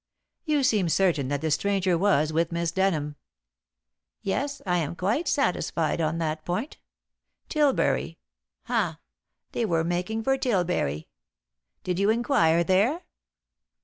"You seem certain that the stranger was with Miss Denham." "Yes, I am quite satisfied on that point. Tilbury ha! they were making for Tilbury. Did you inquire there?"